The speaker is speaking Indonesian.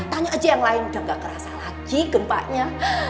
tanya aja yang lain udah gak kerasa lagi gempanya